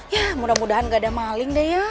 ya mudah mudahan gak ada maling deh ya